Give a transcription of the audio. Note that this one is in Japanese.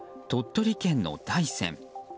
鳥取県の大山。